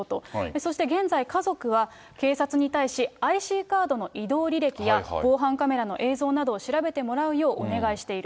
そして現在、家族は警察に対し、ＩＣカードの移動履歴や防犯カメラの映像などを調べてもらうようお願いしている。